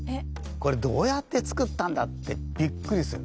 これどうやって作ったんだってびっくりする。